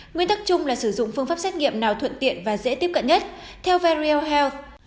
nguyên tắc chung là sử dụng phương pháp xét nghiệm nào thuận tiện và dễ tiếp cận nhất theo vers